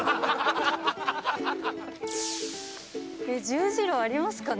十字路ありますかね？